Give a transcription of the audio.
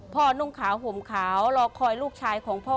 นุ่งขาวห่มขาวรอคอยลูกชายของพ่อ